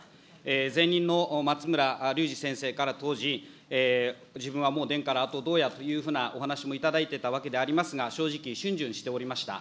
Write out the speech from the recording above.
前任のまつむらりゅうじ先生から当時、自分はもう出んからあとどうやというお話も頂いていたわけでございますが、正直、しゅん巡しておりました。